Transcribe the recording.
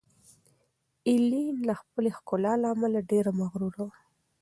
ایلین د خپلې ښکلا له امله ډېره مغروره وه.